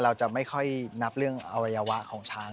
เราจะไม่ค่อยนับเรื่องอวัยวะของช้าง